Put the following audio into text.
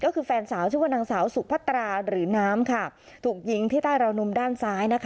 คือแฟนสาวชื่อว่าสู่ภัตราหรือน้ำที่หลังใส